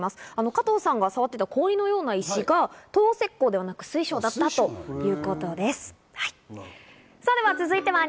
加藤さんが触っていた氷のような石が透石膏ではなく、水晶だったということです。